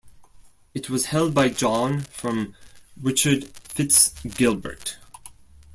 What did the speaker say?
It was held by John from Richard Fitz Gilbert.